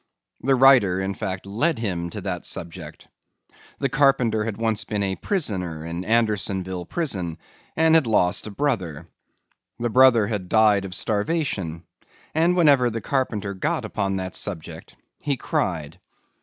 The writer, in fact, led him to that subject. The carpenter had once been a prisoner in Andersonville prison and had lost a brother. The brother had died of starvation, and whenever the carpenter got upon that subject he cried.